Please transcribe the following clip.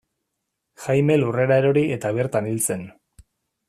Jaime lurrera erori eta bertan hil zen.